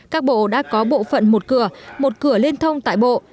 các bộ đã có bộ phận một cửa một cửa liên thông tại bộ